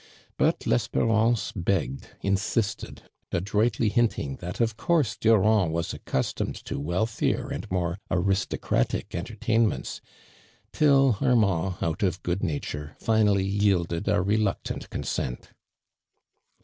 But Lesperance begge<l, insisted, adroitly hinting that of course Durand was accustomed to wealthier and more aristocratic entertainments, till Armand, out of good nature, finally yielded a reluctant consent.